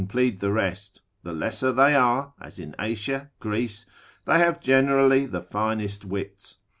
plead the rest; the lesser they are, as in Asia, Greece, they have generally the finest wits.